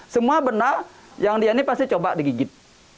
semua benda yang dia ini pasti coba digigit